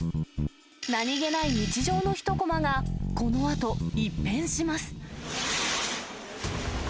何気ない日常のひとこまがこのあと、一変します。